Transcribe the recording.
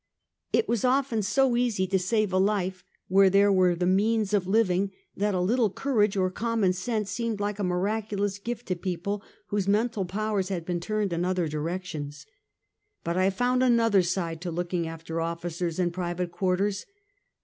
It was often so easy to save a life, where there were the means of living, that a little courage or common sense seemed like a miraculous gift to people whose mental powers had been turned in other directions. But I found another side to looking after ofiicers in private quarters.